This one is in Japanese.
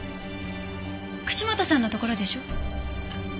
串本さんのところでしょう？